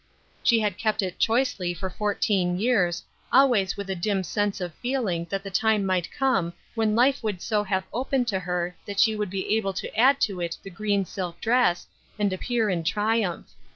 She had kept it choicely for fourteen years, always with a dim sense of feeling that the time might come when life would so have opened to her that she would be able to add to it the green silk dress, and appear in triumph.